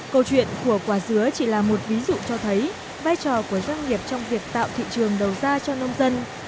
câu chuyện của quả dứa chỉ là một ví dụ cho thấy vai trò của doanh nghiệp trong việc tạo thị trường đầu ra cho nông dân